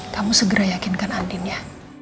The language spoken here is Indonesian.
kamu segera yakinkan andin ya